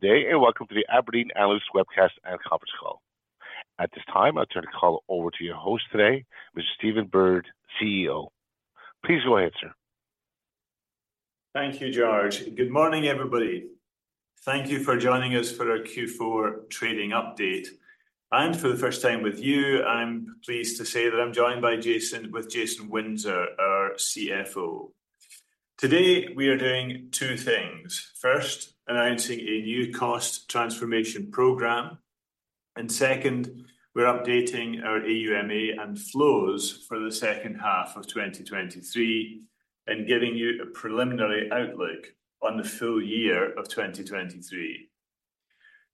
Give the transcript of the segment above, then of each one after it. Today, and welcome to the abrdn Analyst Webcast and Conference Call. At this time, I'll turn the call over to your host today, Mr. Stephen Bird, CEO. Please go ahead, sir. Thank you, George. Good morning, everybody. Thank you for joining us for our Q4 trading update. And for the first time with you, I'm pleased to say that I'm joined by Jason, with Jason Windsor, our CFO. Today, we are doing two things: first, announcing a new cost transformation program, and second, we're updating our AUMA and flows for the second half of 2023 and giving you a preliminary outlook on the full year of 2023.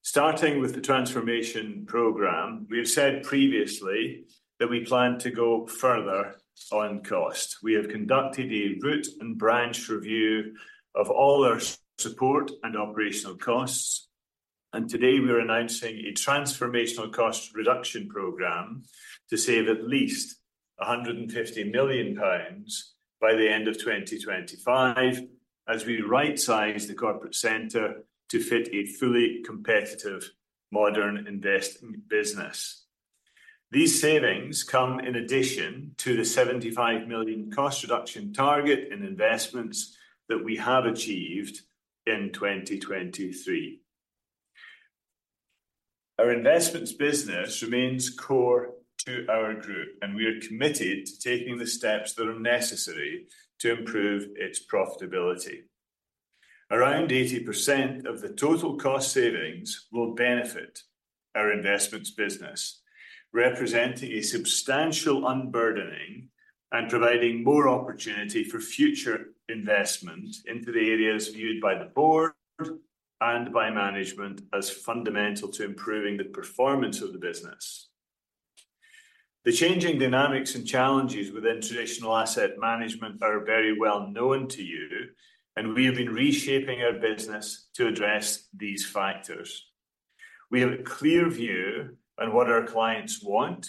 Starting with the transformation program, we have said previously that we plan to go further on cost. We have conducted a root-and-branch review of all our support and operational costs, and today we are announcing a transformational cost reduction program to save at least 150 million pounds by the end of 2025, as we rightsize the corporate center to fit a fully competitive modern investment business. These savings come in addition to the 75 million cost reduction target in investments that we have achieved in 2023. Our Investments business remains core to our group, and we are committed to taking the steps that are necessary to improve its profitability. Around 80% of the total cost savings will benefit our Investments business, representing a substantial unburdening and providing more opportunity for future investment into the areas viewed by the board and by management as fundamental to improving the performance of the business. The changing dynamics and challenges within traditional asset management are very well known to you, and we have been reshaping our business to address these factors. We have a clear view on what our clients want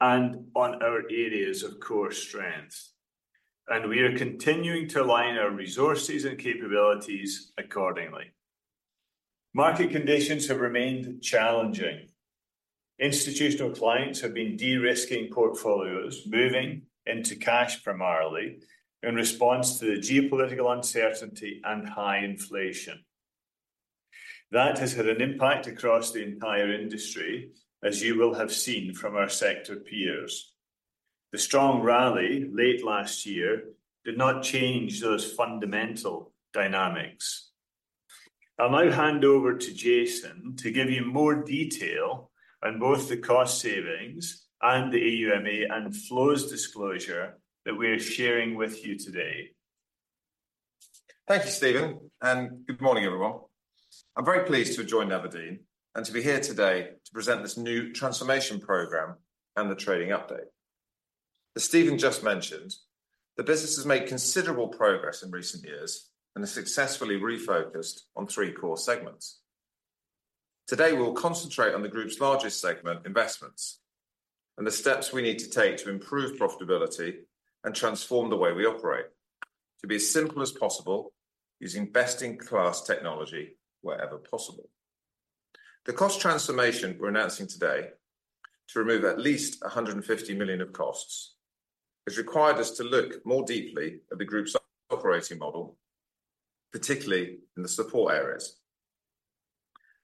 and on our areas of core strengths, and we are continuing to align our resources and capabilities accordingly. Market conditions have remained challenging. Institutional clients have been de-risking portfolios, moving into cash primarily, in response to the geopolitical uncertainty and high inflation. That has had an impact across the entire industry, as you will have seen from our sector peers. The strong rally late last year did not change those fundamental dynamics. I'll now hand over to Jason to give you more detail on both the cost savings and the AUMA and flows disclosure that we are sharing with you today. Thank you, Stephen, and good morning, everyone. I'm very pleased to have joined abrdn and to be here today to present this new transformation program and the trading update. As Stephen just mentioned, the business has made considerable progress in recent years and has successfully refocused on three core segments. Today, we'll concentrate on the group's largest segment, investments, and the steps we need to take to improve profitability and transform the way we operate. To be as simple as possible, using best-in-class technology wherever possible. The cost transformation we're announcing today to remove at least 150 million of costs has required us to look more deeply at the group's operating model, particularly in the support areas.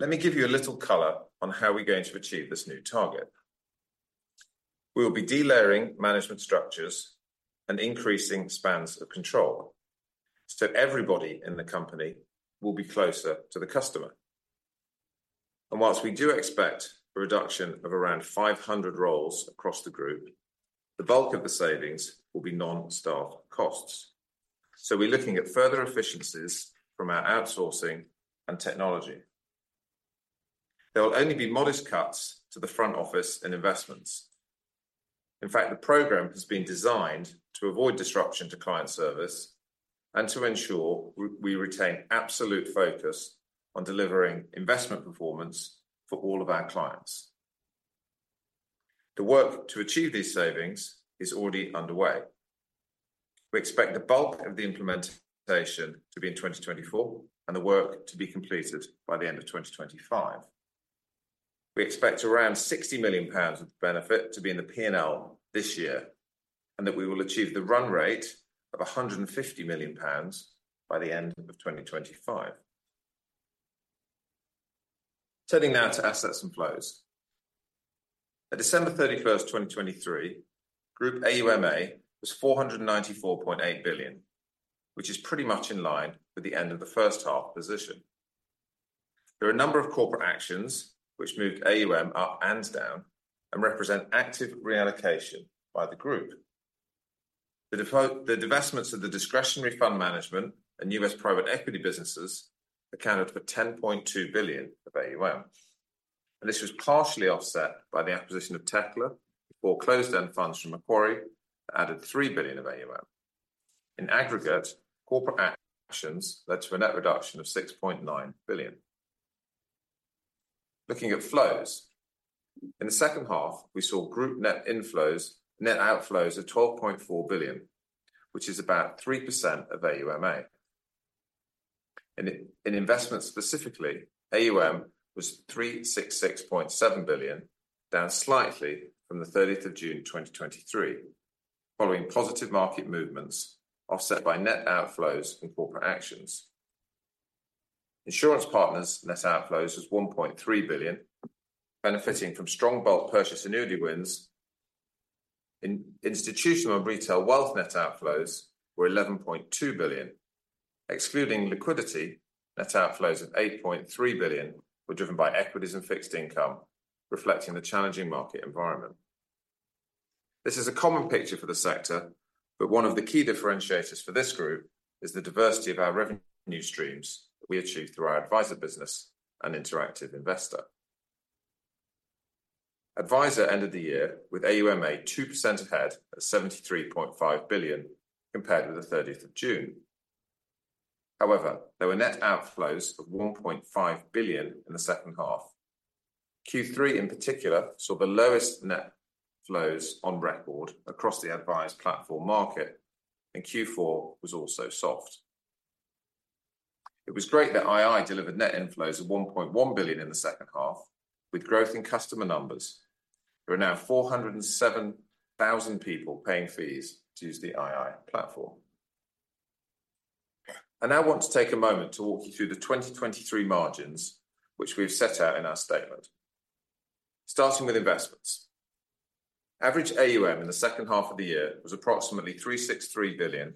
Let me give you a little color on how we're going to achieve this new target. We will be delayering management structures and increasing spans of control, so everybody in the company will be closer to the customer. While we do expect a reduction of around 500 roles across the group, the bulk of the savings will be non-staff costs. We're looking at further efficiencies from our outsourcing and technology. There will only be modest cuts to the front office and investments. In fact, the program has been designed to avoid disruption to client service and to ensure we retain absolute focus on delivering investment performance for all of our clients. The work to achieve these savings is already underway. We expect the bulk of the implementation to be in 2024, and the work to be completed by the end of 2025. We expect around 60 million pounds of benefit to be in the P&L this year, and that we will achieve the run rate of 150 million pounds by the end of 2025. Turning now to assets and flows. At December 31, 2023, Group AUMA was 494.8 billion, which is pretty much in line with the end of the first half position. There are a number of corporate actions which moved AUM up and down and represent active reallocation by the group. The divestments of the discretionary fund management and US private equity businesses accounted for 10.2 billion of AUM, and this was partially offset by the acquisition of Tekla closed-end funds from Macquarie added 3 billion of AUM. In aggregate, corporate actions led to a net reduction of 6.9 billion. Looking at flows. In the second half, we saw group net inflows, net outflows of 12.4 billion, which is about 3% of AUMA. In investment specifically, AUM was 366.7 billion, down slightly from the 30th of June 2023, following positive market movements offset by net outflows in corporate actions. Insurance Partners net outflows was 1.3 billion, benefiting from strong bulk purchase annuity wins. In institutional and retail wealth, net outflows were 11.2 billion. Excluding liquidity, net outflows of 8.3 billion were driven by equities and fixed income, reflecting the challenging market environment. This is a common picture for the sector, but one of the key differentiators for this group is the diversity of our revenue streams we achieve through our Adviser business and Interactive Investor. Adviser ended the year with AUMA 2% ahead at 73.5 billion compared with the thirtieth of June. However, there were net outflows of 1.5 billion in the second half. Q3, in particular, saw the lowest net flows on record across the Adviser platform market, and Q4 was also soft. It was great that II delivered net inflows of 1.1 billion in the second half, with growth in customer numbers. There are now 407,000 people paying fees to use the II platform. I now want to take a moment to walk you through the 2023 margins, which we've set out in our statement. Starting with Investments. Average AUM in the second half of the year was approximately 363 billion,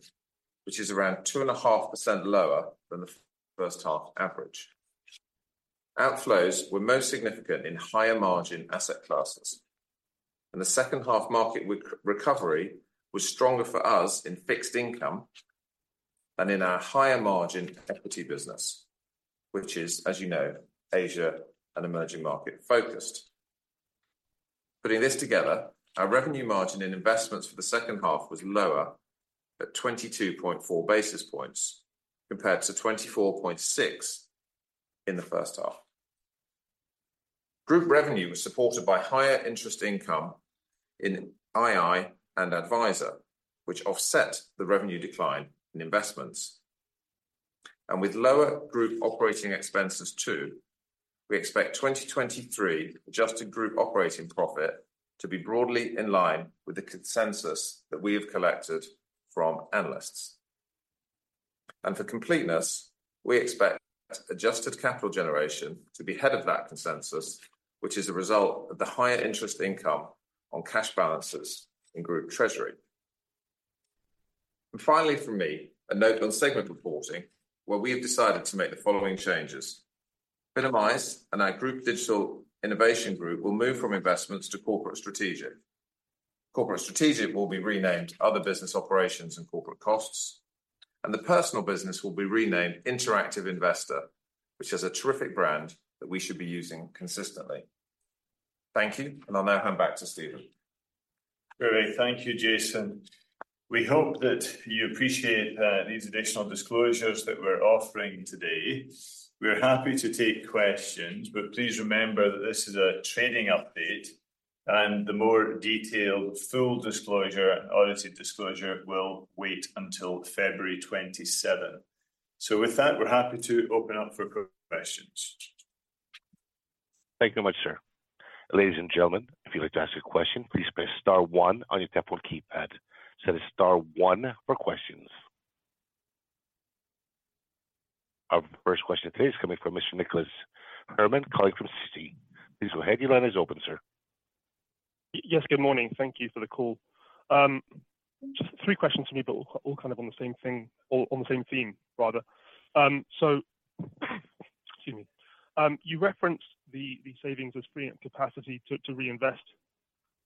which is around 2.5% lower than the first half average. Outflows were most significant in higher-margin asset classes, and the second half market recovery was stronger for us in fixed income and in our higher-margin equity business, which is, as you know, Asia and emerging market-focused. Putting this together, our revenue margin in Investments for the second half was lower, at 22.4 basis points, compared to 24.6 in the first half. Group revenue was supported by higher interest income in II and Adviser, which offset the revenue decline in Investments. With lower group operating expenses, too, we expect 2023 adjusted group operating profit to be broadly in line with the consensus that we have collected from analysts. For completeness, we expect adjusted capital generation to be ahead of that consensus, which is a result of the higher interest income on cash balances in group treasury. Finally, from me, a note on segment reporting, where we have decided to make the following changes. Finimize and our group digital innovation group will move from Investments to Corporate Strategic. Corporate Strategic will be renamed Other Business Operations and Corporate Costs, and the Personal business will be renamed Interactive Investor, which is a terrific brand that we should be using consistently. Thank you, and I'll now hand back to Stephen. Great. Thank you, Jason. We hope that you appreciate these additional disclosures that we're offering today. We're happy to take questions, but please remember that this is a trading update, and the more detailed, full disclosure, audited disclosure will wait until February 27. So with that, we're happy to open up for questions. Thank you very much, sir. Ladies and gentlemen, if you'd like to ask a question, please press star one on your telephone keypad. So it's star one for questions. Our first question today is coming from Mr. Nicholas Herman, calling from Citi. Please go ahead. Your line is open, sir. Yes, good morning. Thank you for the call. Just three questions for me, but all, all kind of on the same thing or on the same theme, rather. So, excuse me. You referenced the savings as free up capacity to reinvest.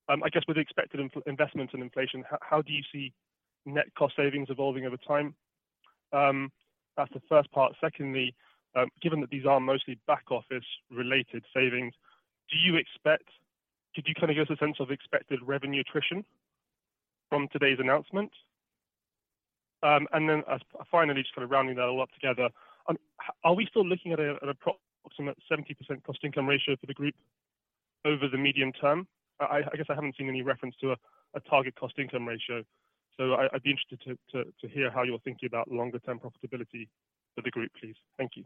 I guess with the expected investments and inflation, how do you see net cost savings evolving over time? That's the first part. Secondly, given that these are mostly back-office-related savings, do you expect... Could you kind of give us a sense of expected revenue attrition from today's announcement? And then, finally, just kind of rounding that all up together, are we still looking at an approximate 70% cost-income ratio for the group over the medium term? I guess I haven't seen any reference to a target cost-income ratio, so I'd be interested to hear how you're thinking about longer-term profitability for the group, please. Thank you.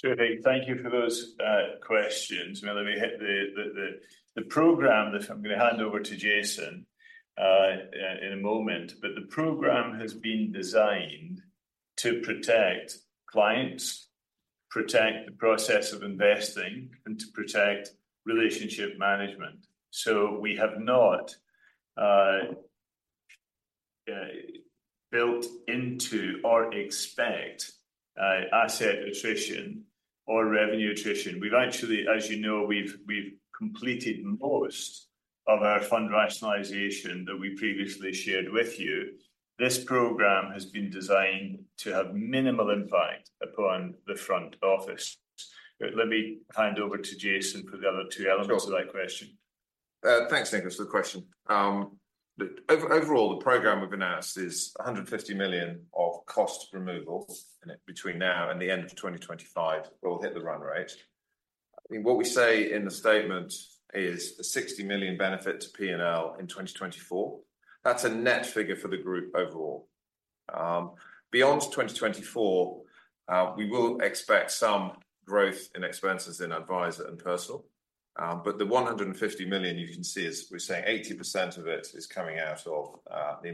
Sure thing. Thank you for those questions. Well, let me hit the program that I'm gonna hand over to Jason in a moment, but the program has been designed to protect clients, protect the process of investing, and to protect relationship management. So we have not built into or expect asset attrition or revenue attrition. We've actually, as you know, we've completed most of our fund rationalization that we previously shared with you. This program has been designed to have minimal impact upon the front office. Let me hand over to Jason for the other two elements- Sure. of that question.... Thanks, Nicholas, for the question. Overall, the program we've announced is 150 million of cost removal, and between now and the end of 2025, we'll hit the run rate. I mean, what we say in the statement is a 60 million benefit to P&L in 2024. That's a net figure for the group overall. Beyond 2024, we will expect some growth in expenses in Adviser and Personal. But the 150 million you can see is, we're saying 80% of it is coming out of the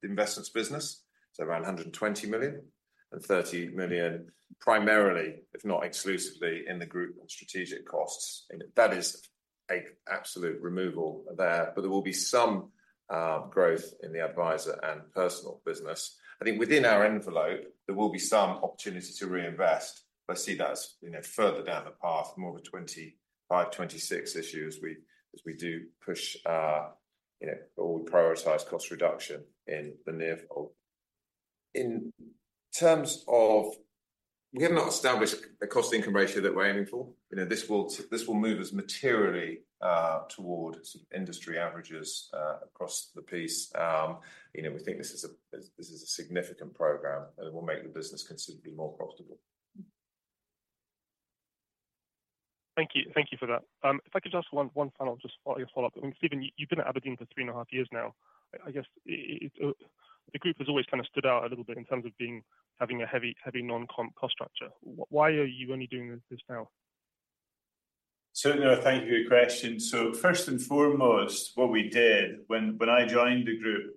Investments business, so around 120 million, and 30 million, primarily, if not exclusively, in the group strategic costs. That is an absolute removal there, but there will be some growth in the Adviser and Personal business. I think within our envelope, there will be some opportunity to reinvest, but I see that as, you know, further down the path, more of a 2025, 2026 issue as we do push, you know, or we prioritize cost reduction in the near term. In terms of... We have not established a cost-income ratio that we're aiming for. You know, this will move us materially toward sort of industry averages across the piece. You know, we think this is a significant program, and it will make the business considerably more profitable. Thank you. Thank you for that. If I could just one final follow-up. Stephen, you've been at abrdn for three and a half years now. I guess, the group has always kind of stood out a little bit in terms of being, having a heavy non-comp cost structure. Why are you only doing this now? Certainly, thank you for your question. So first and foremost, what we did when I joined the group,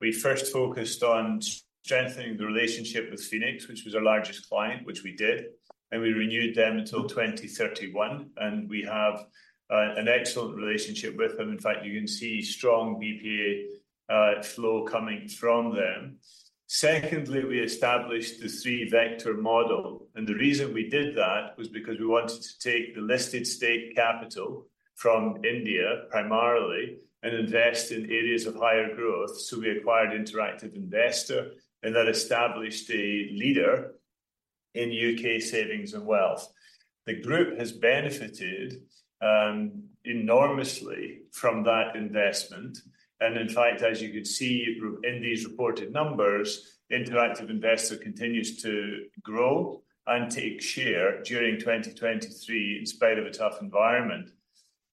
we first focused on strengthening the relationship with Phoenix, which was our largest client, which we did, and we renewed them until 2031, and we have an excellent relationship with them. In fact, you can see strong BPA flow coming from them. Secondly, we established the three-vector model, and the reason we did that was because we wanted to take the listed state capital from India, primarily, and invest in areas of higher growth. So we acquired Interactive Investor, and that established a leader in U.K. savings and wealth. The group has benefited enormously from that investment, and in fact, as you can see in these reported numbers, Interactive Investor continues to grow and take share during 2023, in spite of a tough environment.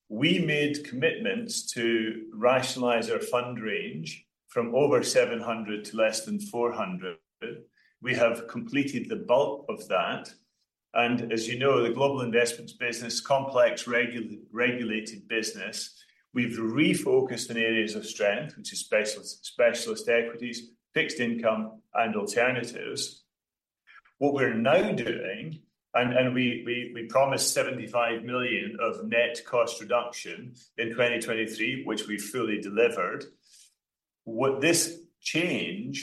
We made commitments to rationalize our fund range from over 700 to less than 400. We have completed the bulk of that, and as you know, the global Investments business, complex regulated business, we've refocused on areas of strength, which is specialist equities, fixed income, and alternatives. What we're now doing, and we promised 75 million of net cost reduction in 2023, which we fully delivered. What this change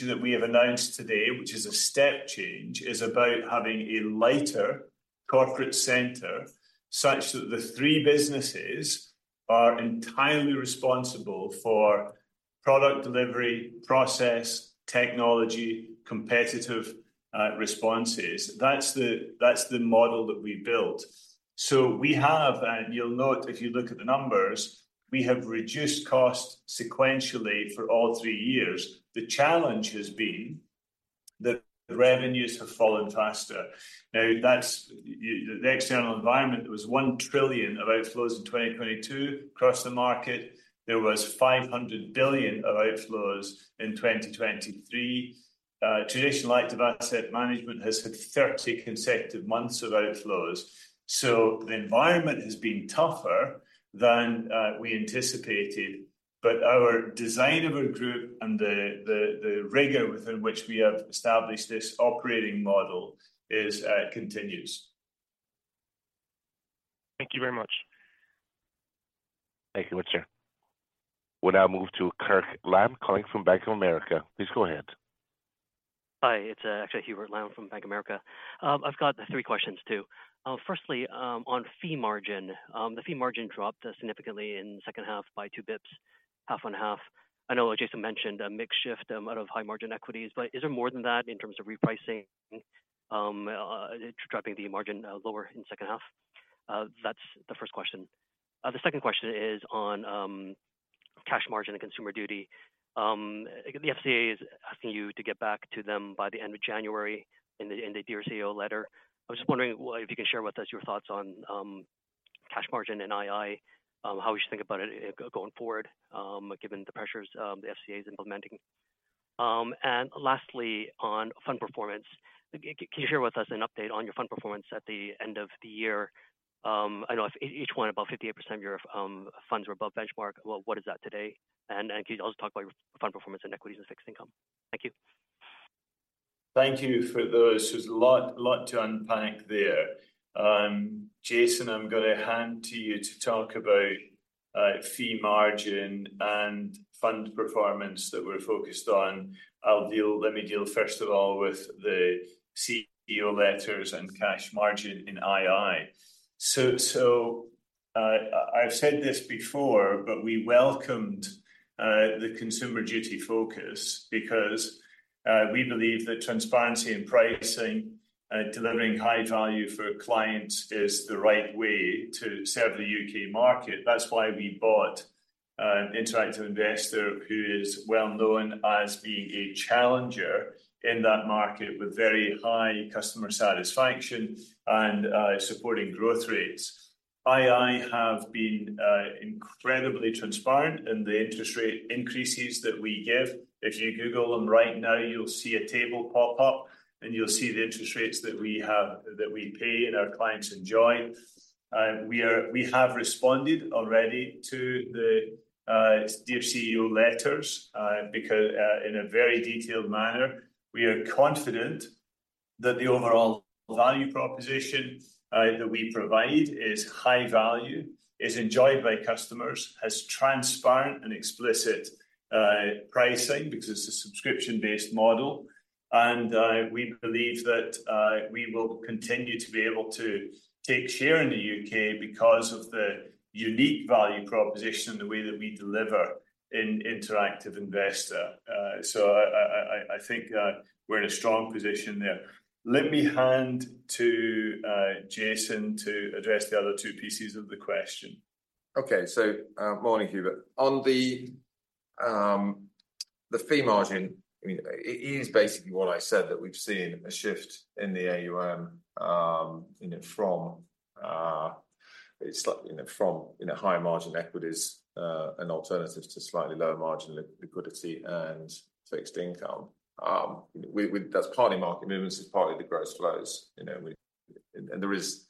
that we have announced today, which is a step change, is about having a lighter corporate center, such that the three businesses are entirely responsible for product delivery, process, technology, competitive responses. That's the model that we built. So we have, and you'll note, if you look at the numbers, we have reduced cost sequentially for all three years. The challenge has been that the revenues have fallen faster. The external environment, there was $1 trillion of outflows in 2022 across the market. There was $500 billion of outflows in 2023. Traditional light of asset management has had 30 consecutive months of outflows. So the environment has been tougher than we anticipated, but our design of our group and the rigor within which we have established this operating model is continues. Thank you very much. Thank you, mister. We'll now move to Hubert Lam calling from Bank of America. Please go ahead. Hi, it's actually Hubert Lam from Bank of America. I've got three questions, too. Firstly, on fee margin. The fee margin dropped significantly in the second half by two basis points, half on half. I know Jason mentioned a mix shift out of high margin equities, but is there more than that in terms of repricing, dropping the margin lower in second half? That's the first question. The second question is on cash margin and consumer duty. The FCA is asking you to get back to them by the end of January in the Dear CEO letter. I was just wondering what, if you can share with us your thoughts on cash margin and II, how we should think about it going forward, given the pressures the FCA is implementing. And lastly, on fund performance, can you share with us an update on your fund performance at the end of the year? I know if each one, about 58% of your funds were above benchmark. Well, what is that today? And can you also talk about your fund performance in equities and fixed income? Thank you. Thank you for those. There's a lot, a lot to unpack there. Jason, I'm gonna hand to you to talk about, fee margin and fund performance that we're focused on. Let me deal first of all, with the CEO letters and cash margin in II. So, I've said this before, but we welcomed the consumer duty focus because we believe that transparency in pricing, delivering high value for clients is the right way to serve the U.K. market. That's why we bought Interactive Investor who is well known as being a challenger in that market, with very high customer satisfaction and supporting growth rates. II have been incredibly transparent in the interest rate increases that we give. If you Google them right now, you'll see a table pop up, and you'll see the interest rates that we have, that we pay and our clients enjoy. We have responded already to the Dear CEO letters, because in a very detailed manner. We are confident that the overall value proposition that we provide is high value, is enjoyed by customers, has transparent and explicit pricing because it's a subscription-based model. We believe that we will continue to be able to take share in the U.K. because of the unique value proposition and the way that we deliver in Interactive Investor. So I think we're in a strong position there. Let me hand to Jason to address the other two pieces of the question. Okay. So, morning, Hubert. On the, the fee margin, I mean, it is basically what I said, that we've seen a shift in the AUM, you know, from, slightly, you know, from higher margin equities, and alternatives to slightly lower margin liquidity and fixed income. We, that's partly market movements, it's partly the gross flows, you know, and there is,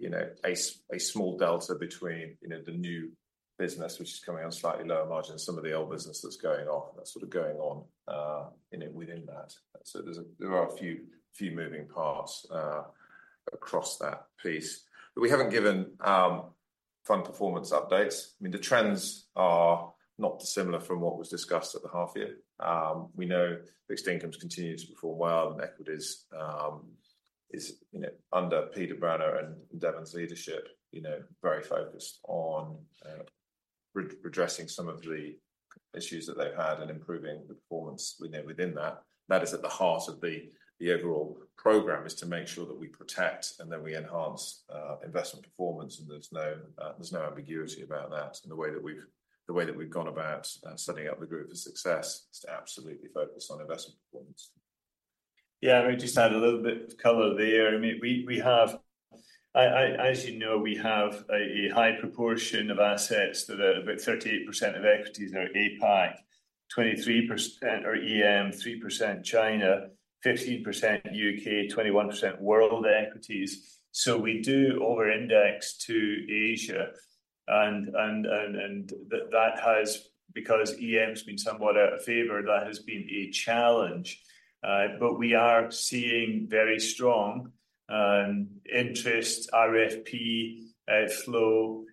you know, a small delta between, you know, the new business, which is coming on slightly lower margin, some of the old business that's going off, that's sort of going on, you know, within that. So there's a, there are a few moving parts, across that piece. But we haven't given, fund performance updates. I mean, the trends are not dissimilar from what was discussed at the half year. We know fixed income continues to perform well, and equities is, you know, under Peter Branner and Devan's leadership, you know, very focused on redressing some of the issues that they've had and improving the performance within that. That is at the heart of the overall program, is to make sure that we protect and then we enhance investment performance, and there's no ambiguity about that. And the way that we've gone about setting up the group for success is to absolutely focus on investment performance. Yeah, let me just add a little bit of color there. I mean, we have—as you know, we have a high proportion of assets that are about 38% of equities are APAC, 23% are EM, 3% China, 15% UK, 21% world equities. So we do over-index to Asia, and that has, because EM's been somewhat out of favor, that has been a challenge. But we are seeing very strong interest, RFP flow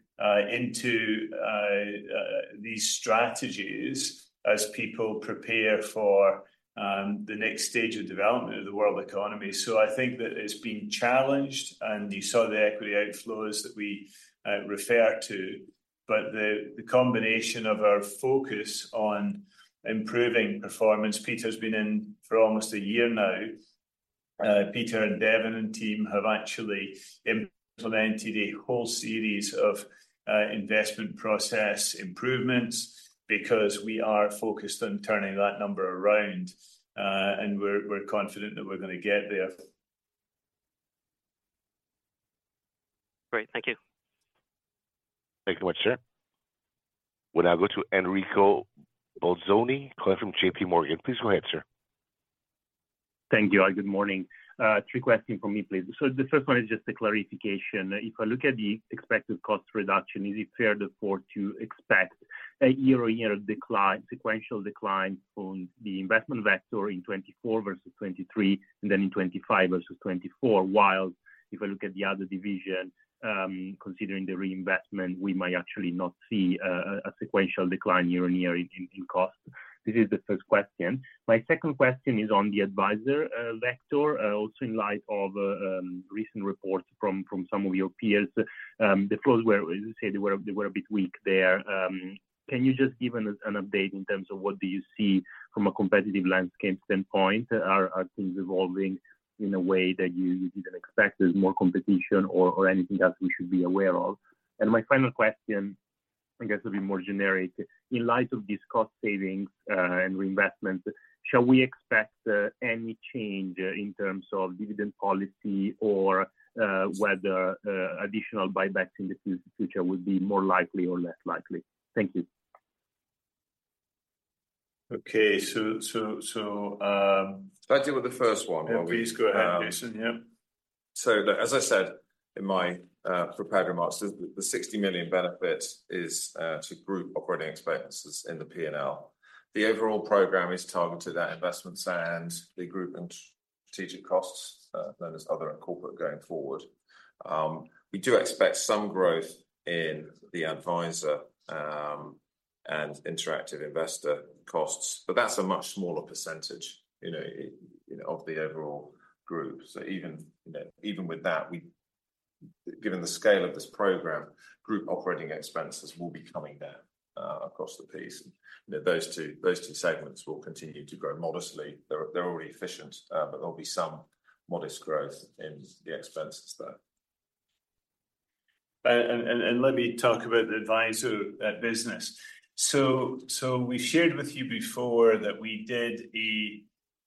into these strategies as people prepare for the next stage of development of the world economy. So I think that it's been challenged, and you saw the equity outflows that we refer to. But the combination of our focus on improving performance, Peter's been in for almost a year now. Peter and Devan, and team have actually implemented a whole series of investment process improvements because we are focused on turning that number around, and we're confident that we're gonna get there. Great, thank you. Thank you much, sir. We'll now go to Enrico Bolzoni from J.P. Morgan. Please go ahead, sir. Thank you. Good morning. Three questions from me, please. So the first one is just a clarification. If I look at the expected cost reduction, is it fair therefore to expect a year-on-year decline, sequential decline on the Investments vector in 2024 versus 2023, and then in 2025 versus 2024? While if I look at the other division, considering the reinvestment, we might actually not see a sequential decline year-on-year in costs. This is the first question. My second question is on the Adviser vector, also in light of recent reports from some of your peers. The flows were, as you say, they were a bit weak there. Can you just give us an update in terms of what do you see from a competitive landscape standpoint? Are things evolving in a way that you didn't expect? There's more competition or anything else we should be aware of? My final question, I guess, will be more generic. In light of these cost savings and reinvestments, shall we expect any change in terms of dividend policy or whether additional buybacks in the future would be more likely or less likely? Thank you. Okay, so, If I deal with the first one. Yeah, please go ahead, Jason. Yeah. So as I said in my prepared remarks, the 60 million benefit is to group operating expenses in the P&L. The overall program is targeted at Investments and the group and strategic costs, known as other and corporate going forward. We do expect some growth in the Adviser and Interactive Investor costs, but that's a much smaller percentage, you know, of the overall group. So even, you know, even with that, given the scale of this program, group operating expenses will be coming down across the piece. Those two, those two segments will continue to grow modestly. They're already efficient, but there'll be some modest growth in the expenses there. Let me talk about the Adviser business. We shared with you before that we did a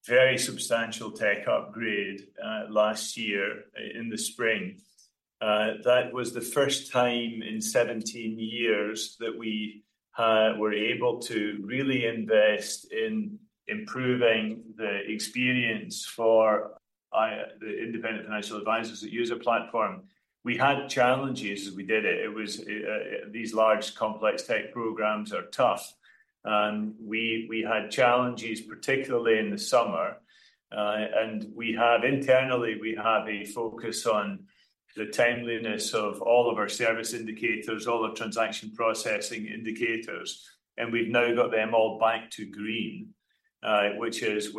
very substantial tech upgrade last year in the spring. That was the first time in 17 years that we were able to really invest in improving the experience for the independent financial advisors that use our platform. We had challenges as we did it. It was these large, complex tech programs are tough, and we had challenges, particularly in the summer. We have internally a focus on the timeliness of all of our service indicators, all the transaction processing indicators, and we've now got them all back to green, which is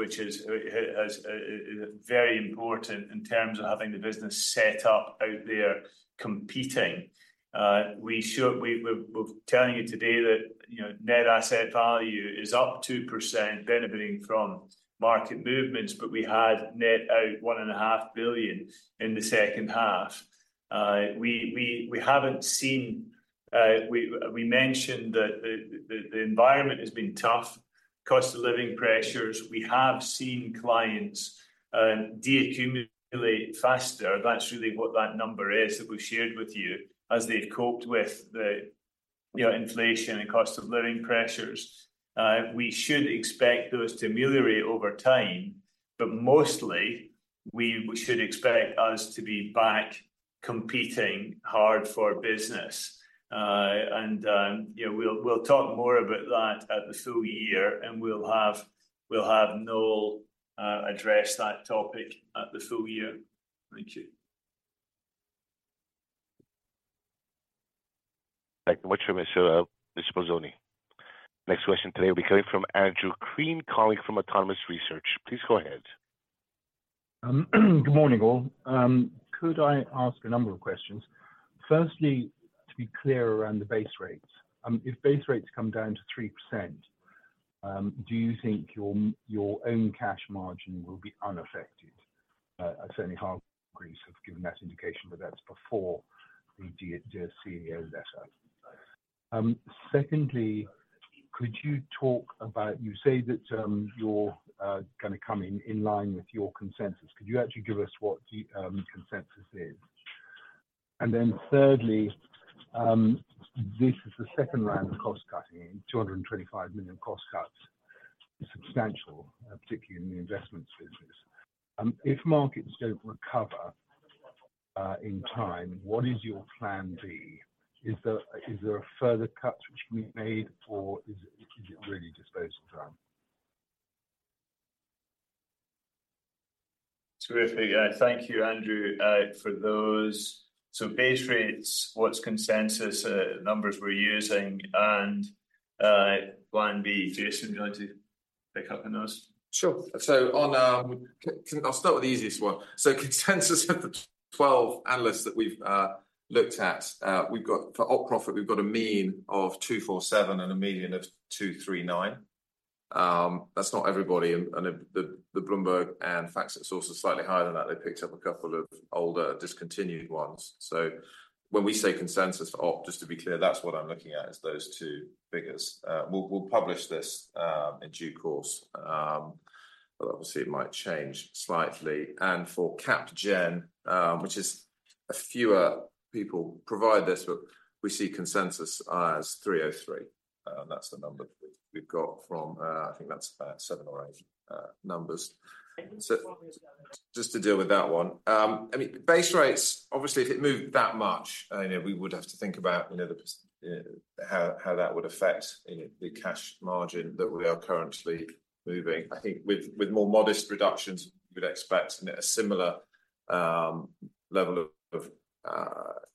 very important in terms of having the business set up out there competing. We should, we're telling you today that, you know, net asset value is up 2%, benefiting from market movements, but we had net out 1.5 billion in the second half. We haven't seen. We mentioned that the environment has been tough, cost of living pressures. We have seen clients deaccumulate faster. That's really what that number is that we shared with you, as they've coped with the, you know, inflation and cost of living pressures. We should expect those to ameliorate over time, but mostly, we should expect us to be back competing hard for business. And, you know, we'll talk more about that at the full year, and we'll have Noel address that topic at the full year. Thank you. Thank you very much, Mr. Bolzoni. Next question today will be coming from Andrew Crean, calling from Autonomous Research. Please go ahead. Good morning, all. Could I ask a number of questions? Firstly, to be clear around the base rates. If base rates come down to 3%, do you think your own cash margin will be unaffected? Certainly, Hargreaves have given that indication, but that's before we did see the letter. Secondly, could you talk about. You say that you're gonna come in line with your consensus. Could you actually give us what the consensus is? And then thirdly, this is the second round of cost cutting, 225 million cost cuts, substantial, particularly in the investment business. If markets don't recover in time, what is your plan B? Is there further cuts which can be made, or is it really just doldrums? Terrific. Thank you, Andrew, for those. So base rates, what's consensus, numbers we're using, and plan B. Jason, do you want to pick up on those? Sure. So, I'll start with the easiest one. So consensus of the 12 analysts that we've looked at, we've got, for op profit, we've got a mean of 247 and a median of 239. That's not everybody, and the Bloomberg and FactSet source is slightly higher than that. They picked up a couple of older, discontinued ones. So when we say consensus for op, just to be clear, that's what I'm looking at, is those two figures. We'll publish this in due course. But obviously, it might change slightly. And for cap gen, which is a fewer people provide this, but we see consensus as 303, and that's the number we've got from, I think that's about 7 or 8 numbers. So just to deal with that one. I mean, base rates, obviously, if it moved that much, you know, we would have to think about, you know, how that would affect, you know, the cash margin that we are currently moving. I think with more modest reductions, you would expect, you know, a similar level of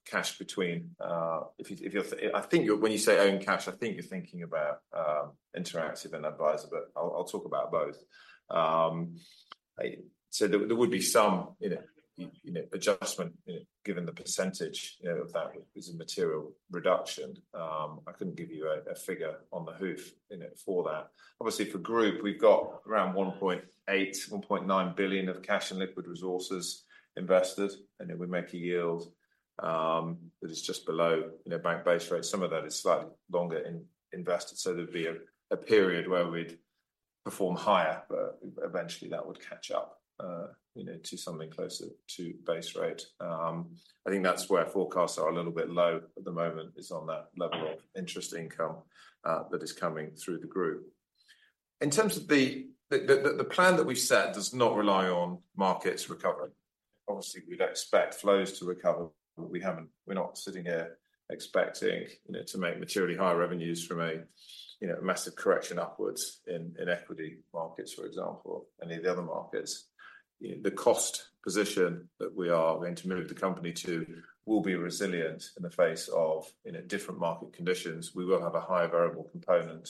cash between. I think when you say own cash, I think you're thinking about Interactive and Adviser, but I'll talk about both. So there would be some, you know, adjustment, given the percentage, you know, if that was a material reduction. I couldn't give you a figure on the hoof, you know, for that. Obviously, for group, we've got around 1.8-1.9 billion of cash and liquid resources invested, and then we make a yield that is just below, you know, bank base rate. Some of that is slightly longer invested, so there'd be a period where we'd perform higher, but eventually, that would catch up, you know, to something closer to base rate. I think that's where forecasts are a little bit low at the moment, is on that level of interest income that is coming through the group. In terms of the plan that we've set does not rely on markets recovering. Obviously, we'd expect flows to recover, but we haven't. We're not sitting here expecting, you know, to make materially higher revenues from a, you know, massive correction upwards in equity markets, for example, any of the other markets. You know, the cost position that we are going to move the company to will be resilient in the face of, you know, different market conditions. We will have a higher variable component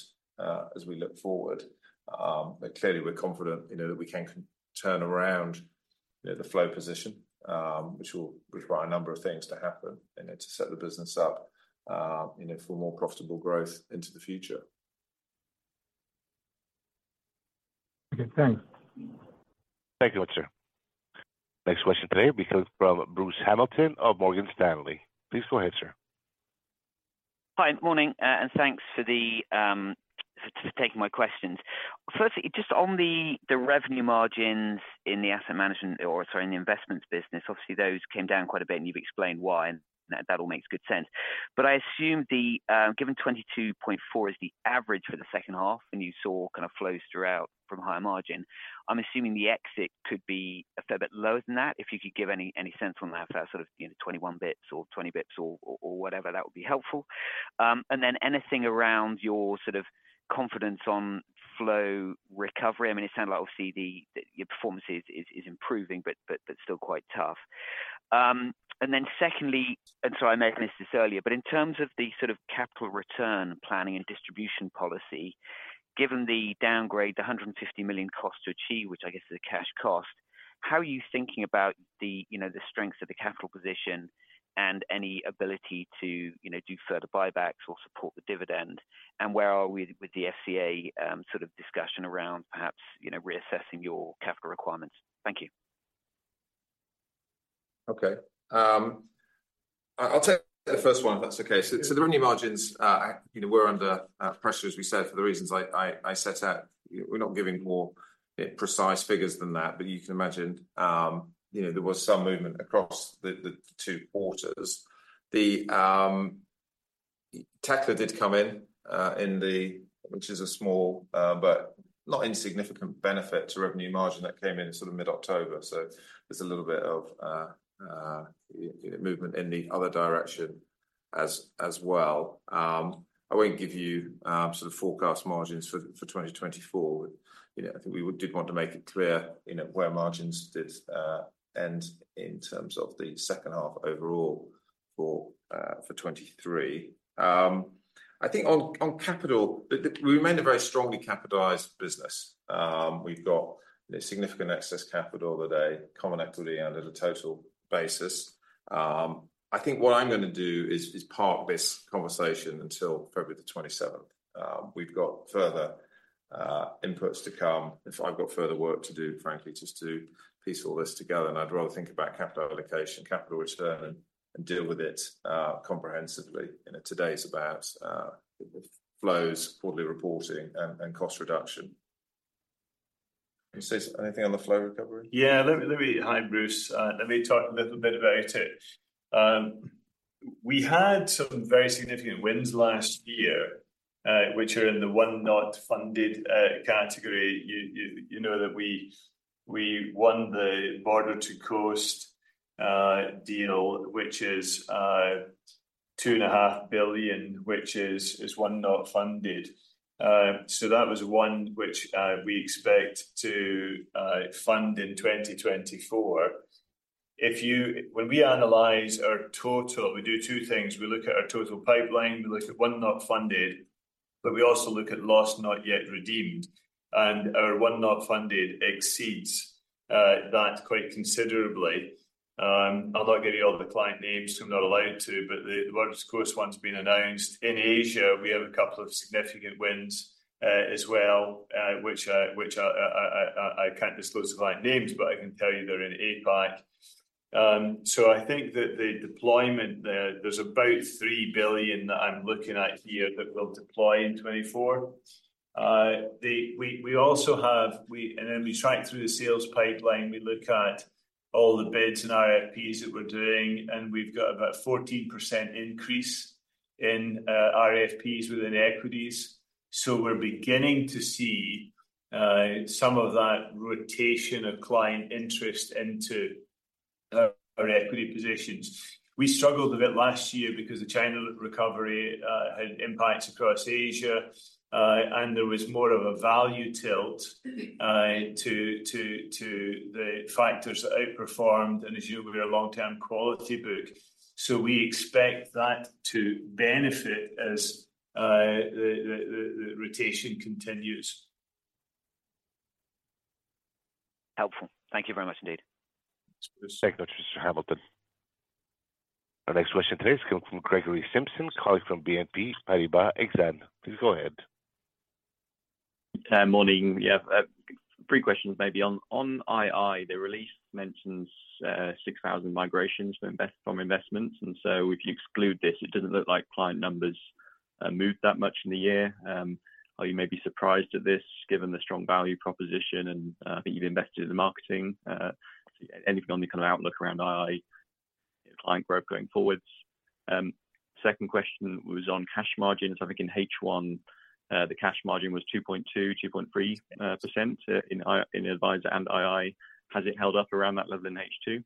as we look forward. But clearly, we're confident, you know, that we can turn around the flow position, which will require a number of things to happen in it to set the business up, you know, for more profitable growth into the future. Okay, thanks. Thank you, sir. Next question today will be from Bruce Hamilton of Morgan Stanley. Please go ahead, sir. Hi, morning, and thanks for taking my questions. Firstly, just on the revenue margins in the asset management or, sorry, in the Investments business, obviously, those came down quite a bit, and you've explained why, and that all makes good sense. But I assume the, given 22.4 is the average for the second half, and you saw kind of flows throughout from higher margin, I'm assuming the exit could be a fair bit lower than that. If you could give any sense on that, if that's sort of, you know, 21 basis points or 20 basis points or whatever, that would be helpful. And then anything around your sort of confidence on flow recovery. I mean, it sounds like obviously the, your performance is improving, but still quite tough. And then secondly, and sorry, I may have missed this earlier, but in terms of the sort of capital return planning and distribution policy, given the downgrade, the 150 million cost to achieve, which I guess is a cash cost, how are you thinking about the, you know, the strengths of the capital position and any ability to, you know, do further buybacks or support the dividend? And where are we with the FCA, sort of discussion around perhaps, you know, reassessing your capital requirements? Thank you. Okay, I'll take the first one, if that's okay. So the revenue margins, you know, were under pressure, as we said, for the reasons I set out. We're not giving more precise figures than that, but you can imagine, you know, there was some movement across the two quarters. The Tekla did come in, which is a small, but not insignificant benefit to revenue margin that came in sort of mid-October. So there's a little bit of movement in the other direction as well. I won't give you sort of forecast margins for 2024. You know, I think we would did want to make it clear, you know, where margins did end in terms of the second half overall for 2023. I think on capital, we remain a very strongly capitalized business. We've got significant excess capital today, common equity and as a total basis. I think what I'm going to do is park this conversation until February the twenty-seventh. We've got further inputs to come, and so I've got further work to do, frankly, just to piece all this together, and I'd rather think about capital allocation, capital return, and deal with it comprehensively. You know, today's about flows, quarterly reporting, and cost reduction. Can you say anything on the flow recovery? Hi, Bruce. Let me talk a little bit about it. We had some very significant wins last year, which are in the won not funded category. You know that we won the Border to Coast deal, which is 2.5 billion, which is won not funded. So that was one which we expect to fund in 2024. When we analyze our total, we do two things: We look at our total pipeline, we look at won not funded, but we also look at wins not yet redeemed, and our won not funded exceeds that quite considerably. I'll not give you all the client names, I'm not allowed to, but the Border to Coast one's been announced. In Asia, we have a couple of significant wins as well, which I can't disclose the client names, but I can tell you they're in APAC. So I think that the deployment there, there's about 3 billion that I'm looking at here that we'll deploy in 2024. We also have and then we track through the sales pipeline, we look at all the bids and RFPs that we're doing, and we've got about 14% increase in RFPs within equities. So we're beginning to see some of that rotation of client interest into our equity positions. We struggled a bit last year because the China recovery had impacts across Asia, and there was more of a value tilt to the factors that outperformed and issued with our long-term quality book. So we expect that to benefit as the rotation continues. Helpful. Thank you very much indeed. Thank you, Mr. Hamilton. Our next question today is coming from Gregory Simpson, calling from BNP Paribas Exane. Please go ahead. Morning. Yeah, three questions maybe. On II, the release mentions 6,000 migrations from investments, and so if you exclude this, it doesn't look like client numbers moved that much in the year. Are you maybe surprised at this, given the strong value proposition and that you've invested in the marketing? Anything on the kind of outlook around II client growth going forwards. Second question was on cash margins. I think in H1, the cash margin was 2.2%-2.3% in Adviser and II. Has it held up around that level in H2?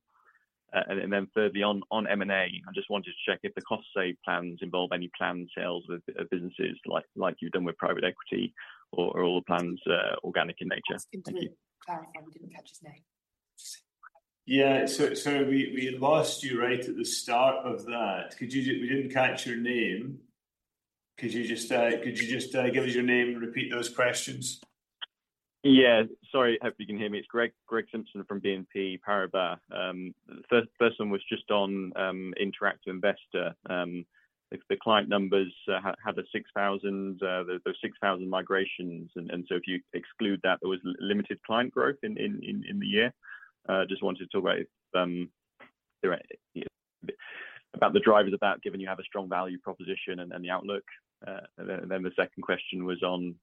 And then further on, on M&A, I just wanted to check if the cost save plans involve any planned sales of, of businesses like, like you've done with private equity, or are all the plans, organic in nature? Thank you. Ask him to clarify. We didn't catch his name. Yeah, so we lost you right at the start of that. Could you just... We didn't catch your name?... Could you just give us your name and repeat those questions? Yeah. Sorry, hope you can hear me. It's Greg Simpson from BNP Paribas. The first one was just on Interactive Investor. If the client numbers had the 6,000, those 6,000 migrations, and so if you exclude that, there was limited client growth in the year. Just wanted to talk about the drivers given you have a strong value proposition and the outlook. And then the second question was on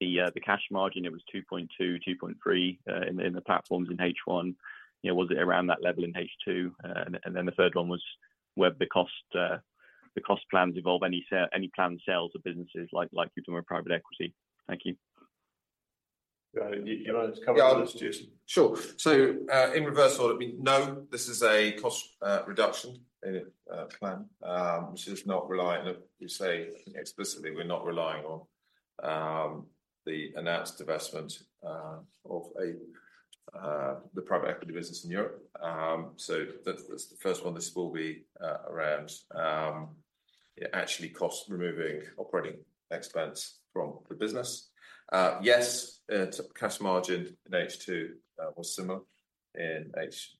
the cash margin. It was 2.2-2.3 in the platforms in H1. You know, was it around that level in H2? And then the third one was, were the cost plans involve any planned sales or businesses like you do in private equity? Thank you. You want to cover this, Jason? Yeah, I'll just... Sure. So, in reverse order, we know this is a cost reduction plan, which is not reliant on, you say, explicitly we're not relying on, the announced divestment of the private equity business in Europe. So that's, that's the first one. This will be around actually cost removing operating expense from the business. Yes, so cash margin in H2 was similar in H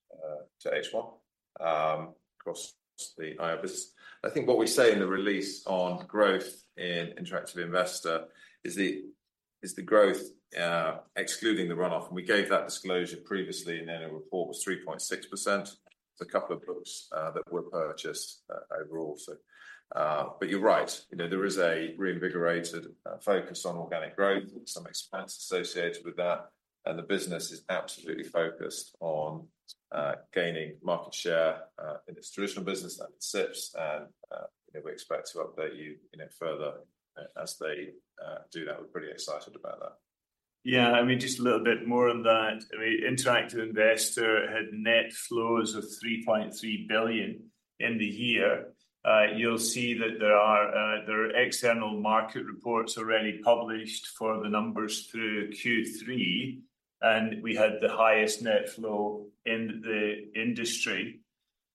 to H1 across the II business. I think what we say in the release on growth in Interactive Investor is the growth excluding the run-off, and we gave that disclosure previously, and then the report was 3.6%. It's a couple of books that were purchased overall. But you're right, you know, there is a reinvigorated focus on organic growth with some expense associated with that, and the business is absolutely focused on gaining market share in its traditional business and SIPPs. You know, we expect to update you, you know, further as they do that. We're pretty excited about that. Yeah, I mean, just a little bit more on that. I mean, Interactive Investor had net flows of 3.3 billion in the year. You'll see that there are external market reports already published for the numbers through Q3, and we had the highest net flow in the industry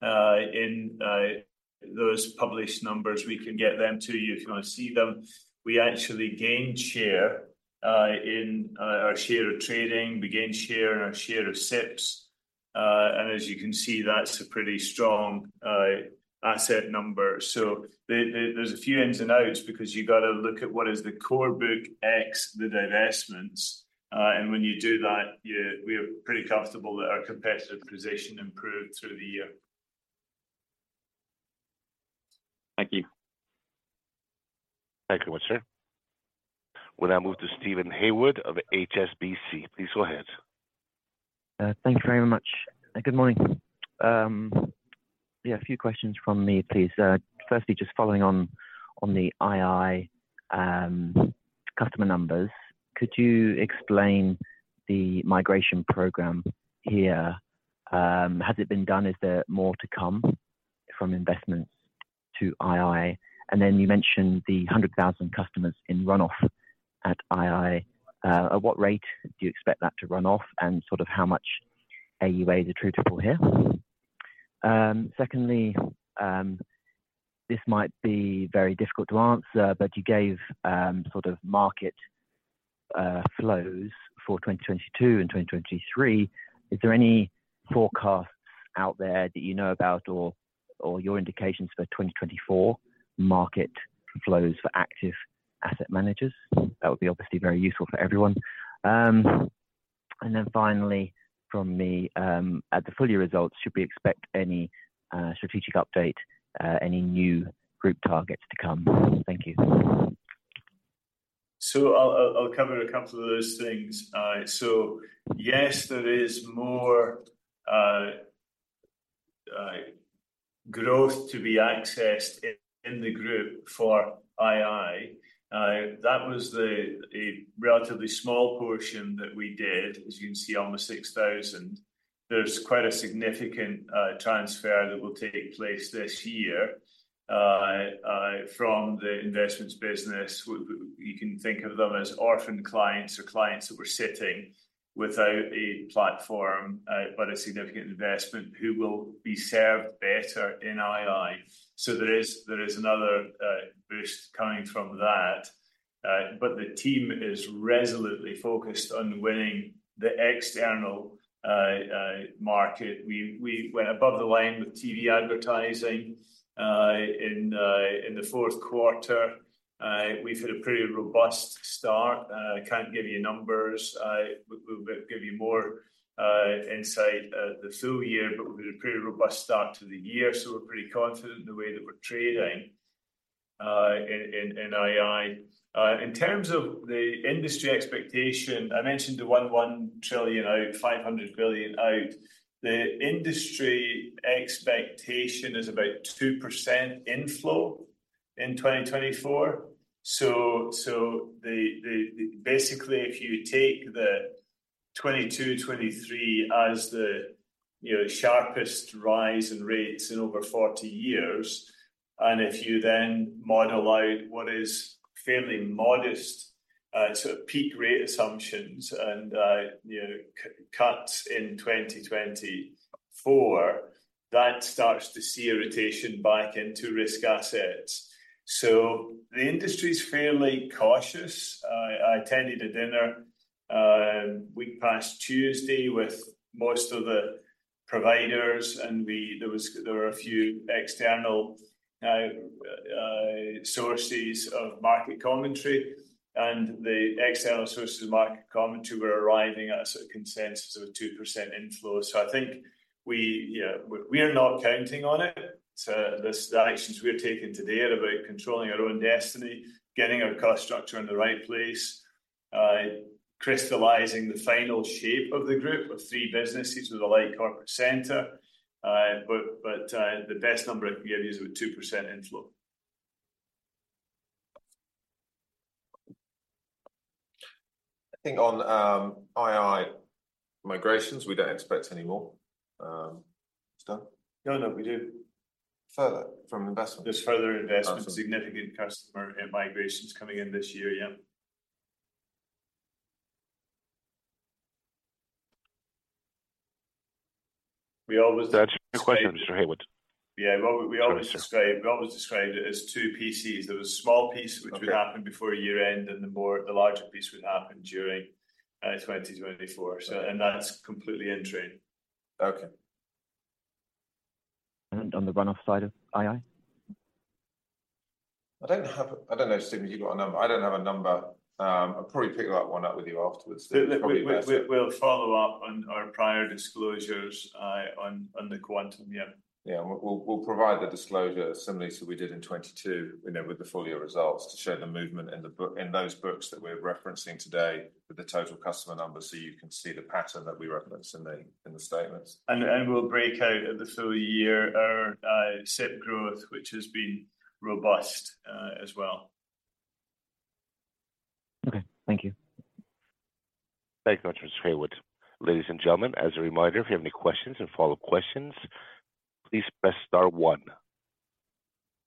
in those published numbers. We can get them to you if you want to see them. We actually gained share in our share of trading. We gained share in our share of SIPPs, and as you can see, that's a pretty strong asset number. So there's a few ins and outs because you got to look at what is the core book ex the divestments. And when you do that, yeah, we're pretty comfortable that our competitive position improved through the year. Thank you. Thank you very much, sir. We'll now move to Steven Haywood of HSBC. Please go ahead. Thank you very much, and good morning. Yeah, a few questions from me, please. Firstly, just following on the II customer numbers, could you explain the migration program here? Has it been done? Is there more to come from investments to II? And then you mentioned the 100,000 customers in run-off at II. At what rate do you expect that to run off, and sort of how much AUA is attributable here? Secondly, this might be very difficult to answer, but you gave sort of market flows for 2022 and 2023. Is there any forecast out there that you know about or your indications for 2024 market flows for active asset managers? That would be obviously very useful for everyone. And then finally from me, at the full year results, should we expect any strategic update, any new group targets to come? Thank you. So I'll cover a couple of those things. So yes, there is more growth to be accessed in the group for II. That was a relatively small portion that we did. As you can see, on the 6,000, there's quite a significant transfer that will take place this year from the Investments business. You can think of them as orphaned clients or clients that were sitting without a platform, but a significant investment who will be served better in II. So there is another boost coming from that. But the team is resolutely focused on winning the external market. We went above the line with TV advertising in the fourth quarter. We've had a pretty robust start. I can't give you numbers. We'll give you more insight at the full year, but we've had a pretty robust start to the year, so we're pretty confident in the way that we're trading in II. In terms of the industry expectation, I mentioned the 1 trillion out, 500 billion out. The industry expectation is about 2% inflow in 2024. So, basically, if you take the 2022, 2023 as the, you know, sharpest rise in rates in over 40 years, and if you then model out what is fairly modest, so peak rate assumptions and, you know, cuts in 2024, that starts to see a rotation back into risk assets. So the industry's fairly cautious. I attended a dinner week past Tuesday with most of the providers, and there was, there were a few external sources of market commentary, and the external sources of market commentary were arriving at a sort of consensus of a 2% inflow. So I think we, yeah, we're, we're not counting on it. So the actions we are taking today are about controlling our own destiny, getting our cost structure in the right place, crystallizing the final shape of the group of three businesses with a light corporate center. But the best number I can give you is a 2% inflow. I think on II migrations, we don't expect any more done. No, no, we do. Further from Investments. There's further investment, significant customer and migrations coming in this year, yeah. We always- That's your question, Mr. Haywood. Yeah, well, we always described, we always described it as two pieces. There was a small piece- Okay. -which would happen before year-end, and the more, the larger piece would happen during 2024. So, and that's completely in train. Okay. On the run-off side of II? I don't have... I don't know, Steven, you got a number. I don't have a number. I'll probably pick that one up with you afterwards. We'll follow up on our prior disclosures on the quantum, yeah. Yeah. We'll provide the disclosure similarly to we did in 2022, you know, with the full year results to show the movement in the book, in those books that we're referencing today with the total customer numbers, so you can see the pattern that we reference in the statements. We'll break out at the full year our SIPP growth, which has been robust, as well. Okay. Thank you. Thank you very much, Mr. Haywood. Ladies and gentlemen, as a reminder, if you have any questions and follow-up questions, please press star one.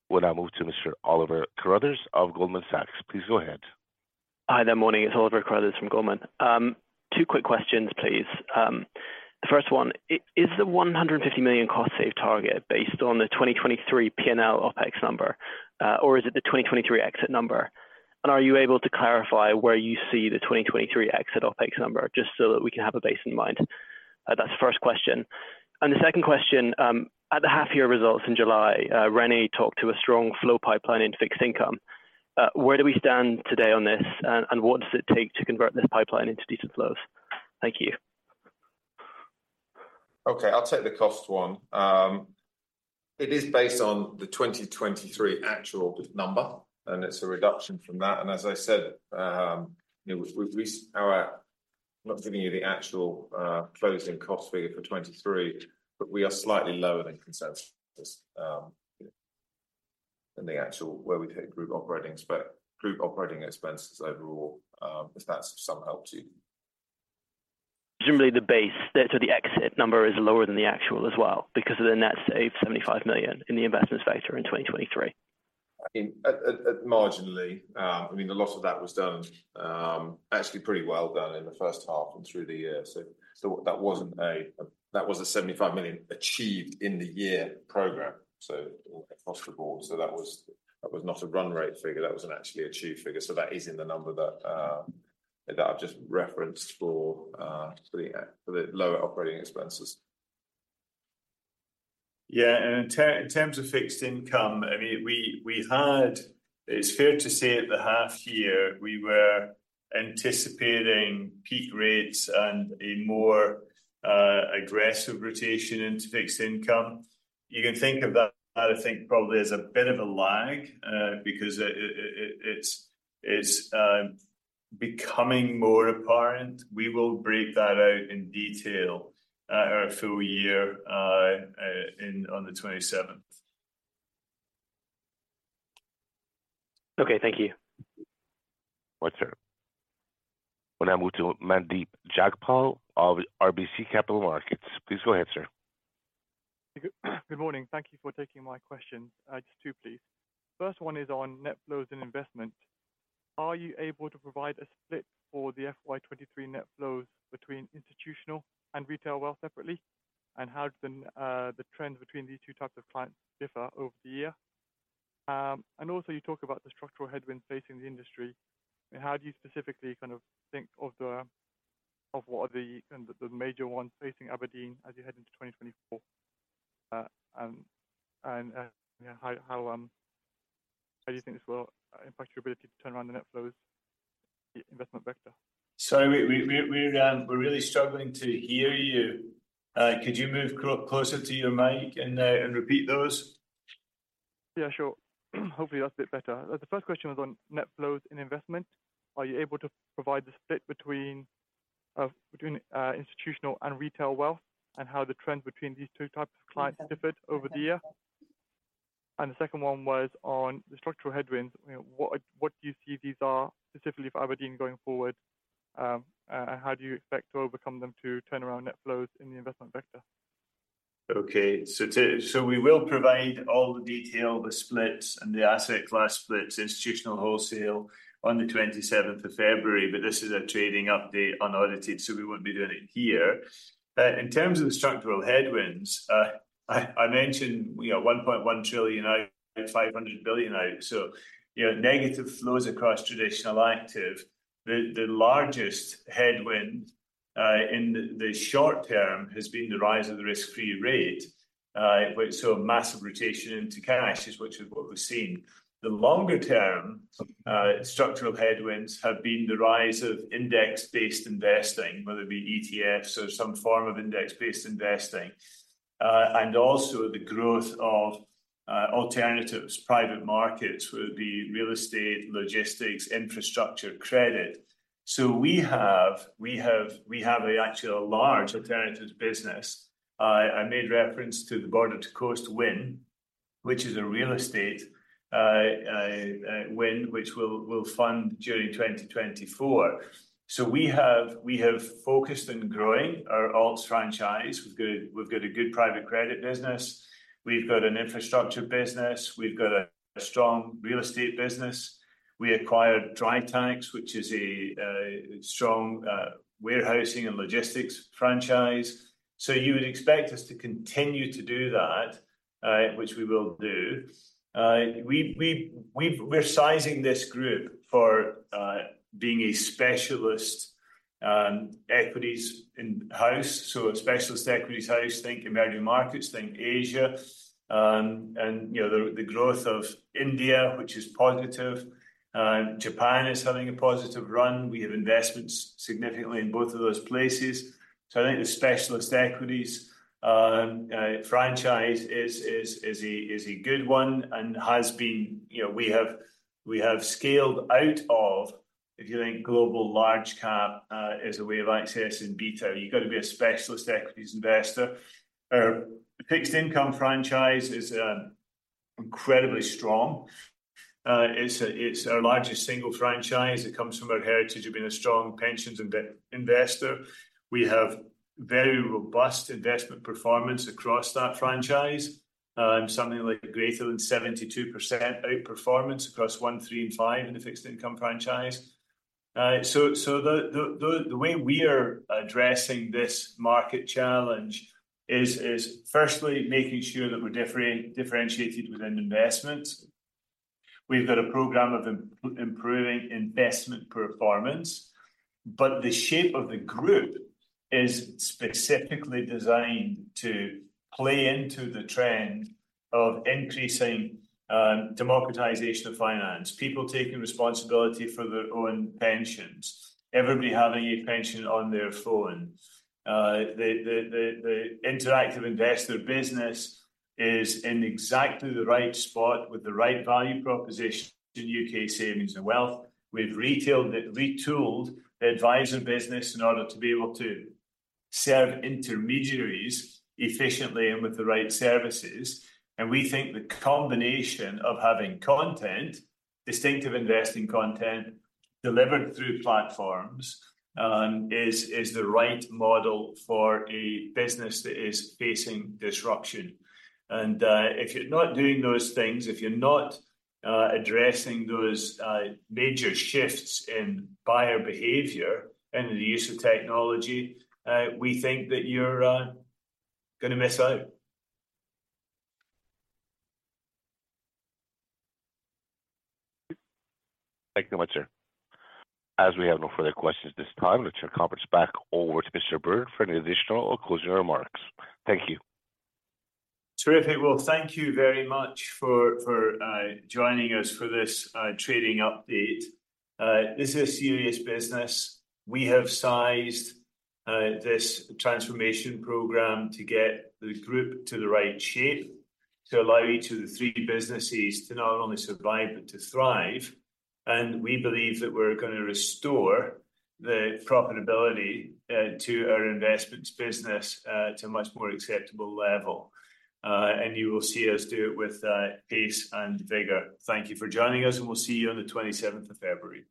We'll now move to Mr. Oliver Carruthers of Goldman Sachs. Please go ahead. Hi there. Morning, it's Oliver Carruthers from Goldman. Two quick questions, please. The first one, is the 150 million cost save target based on the 2023 P&L OpEx number, or is it the 2023 exit number? And are you able to clarify where you see the 2023 exit OpEx number, just so that we can have a base in mind? That's the first question. And the second question, at the half year results in July, René talked to a strong flow pipeline into fixed income. Where do we stand today on this, and what does it take to convert this pipeline into decent flows? Thank you. Okay, I'll take the cost one. It is based on the 2023 actual number, and it's a reduction from that. And as I said, you know, I'm not giving you the actual closing cost figure for 2023, but we are slightly lower than consensus than the actual, where we take group operating expenses overall, if that's some help to you. Generally, the base, so the exit number is lower than the actual as well, because of the net save, GBP 75 million in the Investments vector in 2023. I mean, a lot of that was done, actually pretty well done in the first half and through the year. So that wasn't a... That was a 75 million achieved in the year program, so across the board. So that was not a run rate figure, that was an actually achieved figure. So that is in the number that I've just referenced for the lower operating expenses. Yeah, and in terms of fixed income, I mean, we had. It's fair to say at the half year, we were anticipating peak rates and a more aggressive rotation into fixed income. You can think of that, I think, probably as a bit of a lag, because it's becoming more apparent. We will break that out in detail at our full year, on the 27th. Okay. Thank you. Well, sir. We now move to Mandeep Jagpal of RBC Capital Markets. Please go ahead, sir. Good morning. Thank you for taking my questions. Just two, please. First one is on net flows and investment. Are you able to provide a split for the FY 2023 net flows between institutional and retail wealth separately? And how do the trends between these two types of clients differ over the year? And also, you talk about the structural headwinds facing the industry. And how do you specifically kind of think of the, of what are the, kind of, the major ones facing abrdn as you head into 2024? And, yeah, how do you think this will impact your ability to turn around the net flows investment vector? Sorry, we're really struggling to hear you. Could you move closer to your mic and repeat those? Yeah, sure. Hopefully, that's a bit better. The first question was on net flows in investment. Are you able to provide the split between institutional and retail wealth, and how the trends between these two types of clients differed over the year? And the second one was on the structural headwinds. You know, what do you see these are specifically for abrdn going forward, and how do you expect to overcome them to turn around net flows in the investment vector? Okay, so we will provide all the detail, the splits and the asset class splits, institutional wholesale on the 27th of February. But this is a trading update, unaudited, so we won't be doing it here. In terms of the structural headwinds, I mentioned, you know, 1.1 trillion out, 500 billion out. So, you know, negative flows across traditional active. The largest headwind in the short term has been the rise of the risk-free rate. So a massive rotation into cash, which is what we've seen. The longer term structural headwinds have been the rise of index-based investing, whether it be ETFs or some form of index-based investing. And also the growth of alternatives, private markets, whether it be real estate, logistics, infrastructure, credit. So we have actually a large alternatives business. I made reference to the Border to Coast win, which is a real estate win, which we'll fund during 2024. So we have focused on growing our alts franchise. We've got a good private credit business, we've got an infrastructure business, we've got a strong real estate business. We acquired Tritax, which is a strong warehousing and logistics franchise. So you would expect us to continue to do that, which we will do. We've - we're sizing this group for being a specialist equities in house. So a specialist equities house, think emerging markets, think Asia, and you know, the growth of India, which is positive, and Japan is having a positive run. We have investments significantly in both of those places. So I think the specialist equities franchise is a good one and has been. You know, we have scaled out of, if you think global large cap as a way of accessing beta, you've got to be a specialist equities investor. Our fixed income franchise is incredibly strong. It's our largest single franchise. It comes from our heritage of being a strong pensions investor. We have very robust investment performance across that franchise, something like greater than 72% outperformance across one, three, and five in the fixed income franchise. So the way we are addressing this market challenge is firstly, making sure that we're differentiated within investments. We've got a program of improving investment performance, but the shape of the group is specifically designed to play into the trend of increasing democratization of finance. People taking responsibility for their own pensions. Everybody having a pension on their phone. The Interactive Investor business is in exactly the right spot with the right value proposition in U.K. savings and wealth. We've retooled the Adviser business in order to be able to serve intermediaries efficiently and with the right services. And we think the combination of having content, distinctive investing content, delivered through platforms, is the right model for a business that is facing disruption. If you're not doing those things, if you're not addressing those major shifts in buyer behavior and the use of technology, we think that you're gonna miss out. Thank you much, sir. As we have no further questions at this time, let's turn the conference back over to Mr. Bird for any additional or closing remarks. Thank you. Terrific. Well, thank you very much for joining us for this trading update. This is a serious business. We have sized this transformation program to get the group to the right shape, to allow each of the three businesses to not only survive, but to thrive. And we believe that we're gonna restore the profitability to our Investments business to a much more acceptable level. And you will see us do it with pace and vigor. Thank you for joining us, and we'll see you on the twenty-seventh of February.